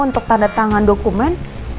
untuk tanda tangan dokumen